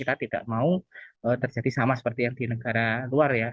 karena kita tidak mau terjadi sama seperti yang di negara luar ya